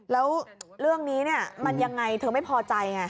แล้วเรื่องนี้เนี่ยมันยังไงเธอไม่พอใจไง